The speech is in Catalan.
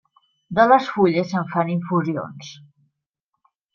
De les fulles se'n fan infusions.